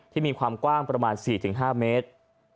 มีความกว้างประมาณ๔๕เมตร